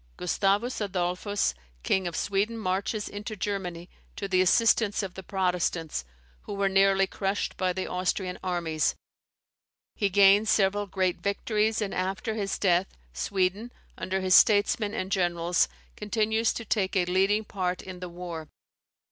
Gustavus Adolphus, King of Sweden, marches into Germany to the assistance of the Protestants, who ware nearly crushed by the Austrian armies. He gains several great victories, and, after his death, Sweden, under his statesmen and generals, continues to take a leading part in the war.